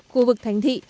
khu vực thành thị